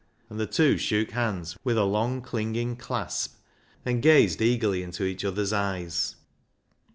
" and the two shook hands, with a long clinging clasp, and gazed eagerly into each other's eyes.